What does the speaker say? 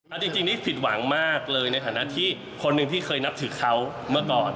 เอาจริงนี่ผิดหวังมากเลยในฐานะที่คนหนึ่งที่เคยนับถือเขาเมื่อก่อน